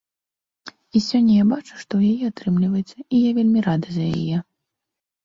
І сёння я бачу, што ў яе атрымліваецца, і я вельмі рады за яе.